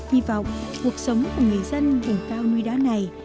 hy vọng cuộc sống của người dân vùng cao núi đá này